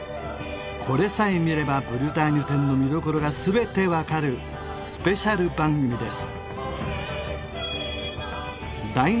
これさえ見ればブルターニュ展の見どころが全て分かるスペシャル番組です